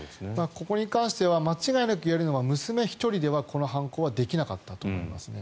ここに関しては間違いなく言えるのは娘１人では、この犯行はできなかったと思いますね。